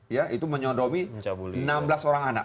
ya itu menyodomi enam belas orang anak